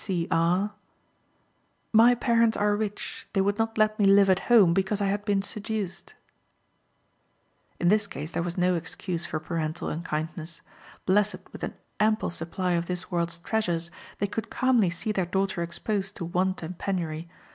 C. R.: "My parents are rich. They would not let me live at home, because I had been seduced." In this case there was no excuse for parental unkindness. Blessed with an ample supply of this world's treasures, they could calmly see their daughter exposed to want and penury.